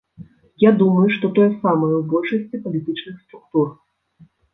Я думаю, што тое самае ў большасці палітычных структур.